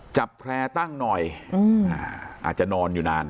แพร่ตั้งหน่อยอาจจะนอนอยู่นาน